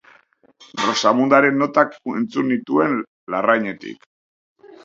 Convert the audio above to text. Rosamundaren notak entzun nituen larrainetik.